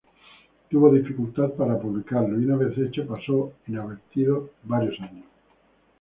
Tuvo dificultad para publicarlo y una vez hecho pasó inadvertido varios años.